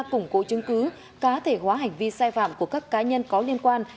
củng cố chứng cứ cá thể hóa hành vi sai phạm của các cá nhân có liên quan